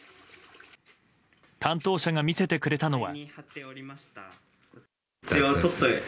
担当者が見せてくれたのは。